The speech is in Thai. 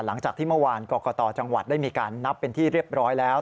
หลังจากที่เมื่อวานกรกตจังหวัดได้มีการนับเป็นที่เรียบร้อยแล้ว